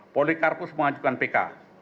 polikarpus mengajukan pk